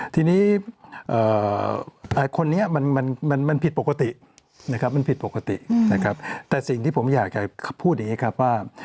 ทีนี้คนนี้มันผิดปกตินะครับแต่สิ่งที่ผมอยากจะพูดอย่างนี้ครับว่า